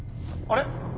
あれ？